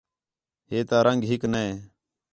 ہِے تا رنگ ہِک نے